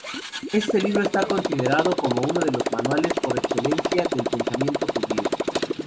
Este libro está considerado como uno de los manuales por excelencia del pensamiento judío.